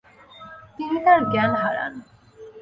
তিনি তার জ্ঞান হারান।